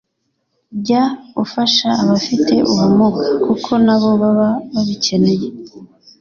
jya ufasha abafite ubumuga kuko nabo baba babikeneye